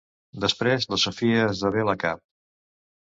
Desprès la Sophia esdevé la cap.